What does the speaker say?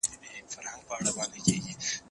زه سپينکۍ نه پرېولم،